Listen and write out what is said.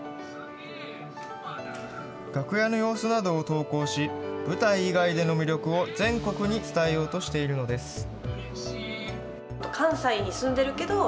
楽屋の様子などを投稿し、舞台以外での魅力を全国に伝えようとしているのです。